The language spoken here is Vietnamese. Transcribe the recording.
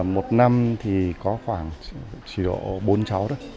một năm thì có khoảng chỉ độ bốn cháu